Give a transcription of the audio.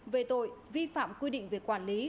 về tội vi phạm quy định về quản lý